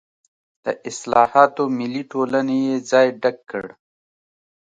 د اصلاحاتو ملي ټولنې یې ځای ډک کړ.